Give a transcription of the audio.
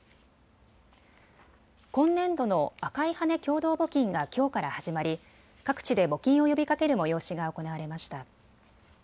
今年度の赤い羽根共同募金がきょうから始まり各地で募金を呼びかける催しが行われました。